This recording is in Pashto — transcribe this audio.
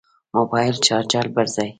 موبایل چارچر بل ځای.